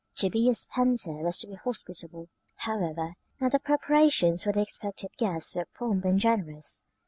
To be a Spencer was to be hospitable, however, and the preparations for the expected guest were prompt and generous.